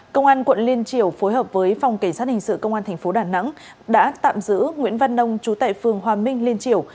công an quận liên triều phối hợp với phòng cảnh sát hình sự công an tp đà nẵng đã tạm giữ nguyễn văn nông chú tại phường hòa minh liên triều